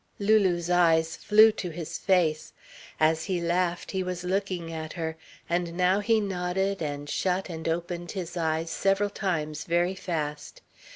Lulu's eyes flew to his face. As he laughed, he was looking at her, and now he nodded and shut and opened his eyes several times very fast.